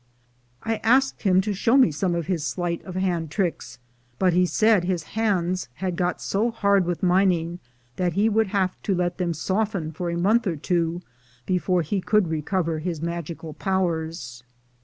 I asked him to show me some of his sleight of hand tricks, but he said his hands had got so hard with mining that he would have to let them soften for a month or two before he could recover his magical powers.